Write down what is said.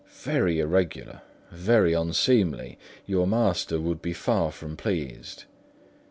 "Very irregular, very unseemly; your master would be far from pleased."